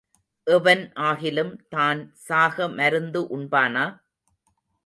எவன் ஆகிலும் தான் சாக மருந்து உண்பானா?